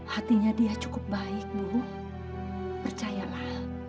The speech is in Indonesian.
hatinya dia cukup baik bu percayalah